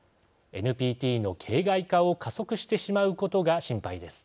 ＮＰＴの形骸化を加速してしまうことが心配です。